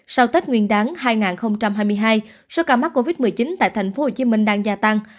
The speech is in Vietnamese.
sau tết nguyên đáng hai nghìn hai mươi hai số ca mắc covid một mươi chín tại tp hcm đang gia tăng